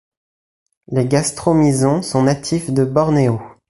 Les Gastromyzon sont natifs de Bornéo.